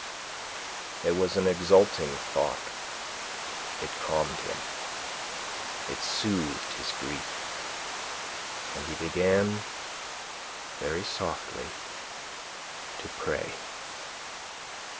It was an exulting thought. It calmed him; it soothed his grief, and he began very softly to pray.